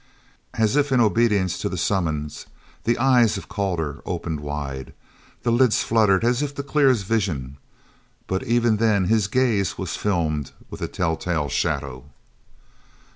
As if in obedience to the summons the eyes of Calder opened wide. The lids fluttered as if to clear his vision, but even then his gaze was filmed with a telltale shadow.